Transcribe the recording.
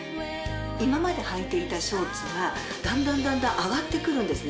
今まではいていたショーツがだんだんだんだん上がってくるんですね。